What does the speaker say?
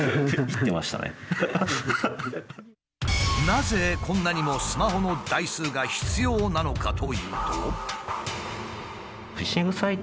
なぜこんなにもスマホの台数が必要なのかというと。